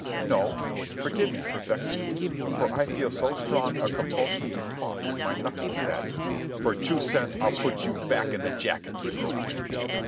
"No; forgive me for vexing you—for I feel so strong a compulsion to talk with my knuckles that—" "For two cents I'll put you back in the jacket," he broke in.